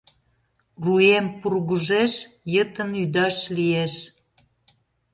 Руэм пургыжеш йытын ӱдаш лиеш.